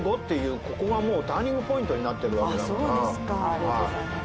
ありがとうございます。